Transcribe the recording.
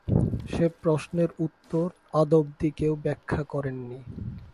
সে প্রশ্নের উত্তর অদ্যাবধি কেউ ব্যাখ্যা করেন নি।